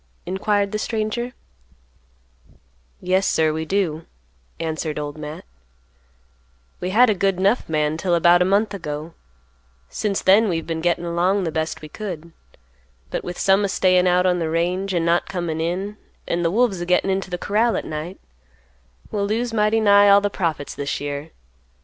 inquired the stranger. "Yes, sir, we do," answered Old Matt. "We had a good 'nough man 'till about a month ago; since then we've been gettin' along the best we could. But with some a stayin' out on the range, an' not comin' in, an' the wolves a gettin' into the corral at night, we'll lose mighty nigh all the profits this year.